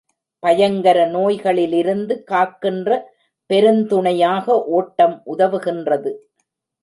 பயங்கர நோய் களிலிருந்து காக்கின்ற பெருந்துணையாக ஓட்டம் உதவுகின்றது.